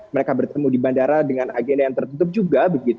mereka bertemu di bandara dengan agenda yang tertutup juga